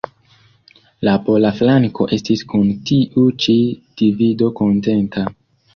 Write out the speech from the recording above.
La pola flanko estis kun tiu ĉi divido kontenta.